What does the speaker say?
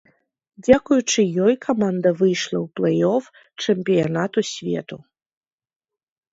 Дзякуючы ёй каманда выйшла ў плэй-оф чэмпіянату свету.